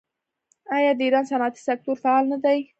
آیا د ایران صنعتي سکتور فعال نه دی؟